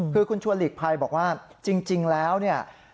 คือคุณชวนหลีกภัยบอกว่าจริงแล้วเนี่ย